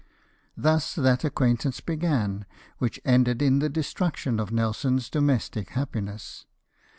Thus that acquaintance began which ended in the destruction of Nelson's domestic happiness.